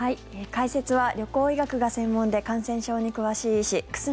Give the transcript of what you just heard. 解説は旅行医学が専門で感染症に詳しい医師久住